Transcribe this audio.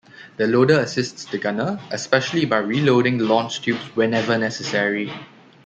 The loader assists the gunner, especially by reloading the launch tubes whenever necessary.